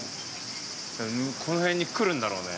◆この辺に来るんだろうね。